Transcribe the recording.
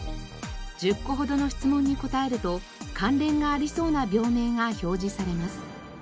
１０個ほどの質問に答えると関連がありそうな病名が表示されます。